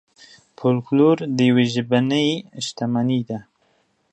فولکلور د یوې ژبې شتمني ده.